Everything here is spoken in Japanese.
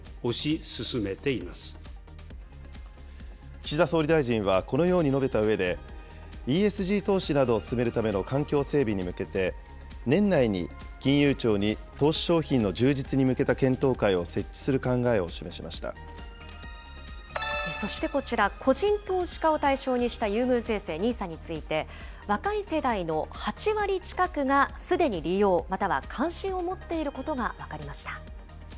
岸田総理大臣はこのように述べたうえで、ＥＳＧ投資などを進めるための環境整備に向けて、年内に金融庁に投資商品の充実に向けた検討会を設置する考えを示そしてこちら、個人投資家を対象にした優遇税制、ＮＩＳＡについて。若い世代の８割近くがすでに利用、または関心を持っていることが分